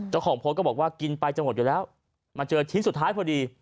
เจ้าของโพสต์ก็บอกว่ากินไปจะหมดอยู่แล้วมาเจอชิ้นสุดท้ายพอดี